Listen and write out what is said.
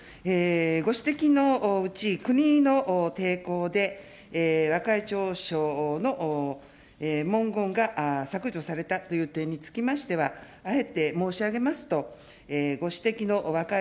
ご指摘のうち、国の抵抗で和解調書の文言が削除されたという点につきましては、あえて申し上げますと、ご指摘の和解